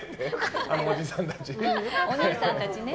あのおじさんたちね。